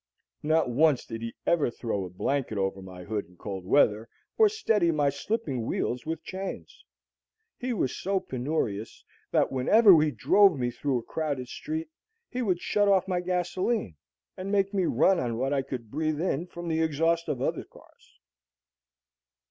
Not once did he ever throw a blanket over my hood in cold weather or steady my slipping wheels with chains. He was so penurious that whenever he drove me through a crowded street, he would shut off my gasolene, and make me run on what I could breathe in from the exhausts of other cars.